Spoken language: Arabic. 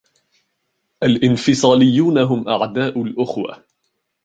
الإنفصاليون هم أعداء الأخوة.